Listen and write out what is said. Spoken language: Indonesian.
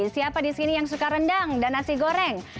siapa di sini yang suka rendang dan nasi goreng